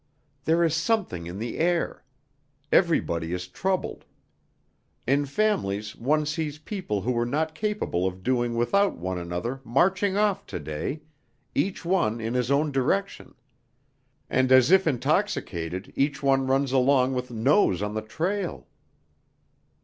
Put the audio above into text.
There is something in the air. Everybody is troubled. In families one sees people who were not capable of doing without one another marching off today, each one in his own direction. And as if intoxicated each one runs along with nose on the trail."